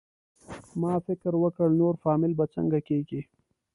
ما فکر وکړ نور فامیل به څنګه کېږي؟